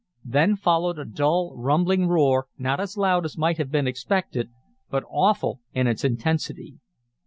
Then followed a dull, rumbling roar, not as loud as might have been expected, but awful in its intensity.